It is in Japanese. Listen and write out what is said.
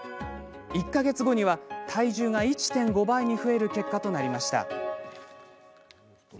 １か月後には体重が１．５倍に増える結果となりました。